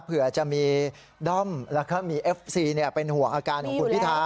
เผื่อจะมีด้อมแล้วก็มีเอฟซีเป็นห่วงอาการของคุณพิทา